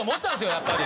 やっぱり。